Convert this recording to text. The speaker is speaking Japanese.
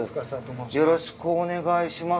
よろしくお願いします